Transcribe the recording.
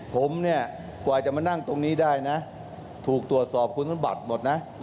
ผมเนี่ยกว่าจะมานั่งตรงนี้ได้นะถูกตรวจสอบคุณสมบัติหมดนะ